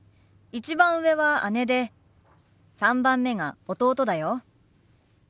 １番上は姉で３番目が弟だよ。